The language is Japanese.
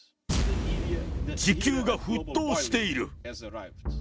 地球が沸騰している！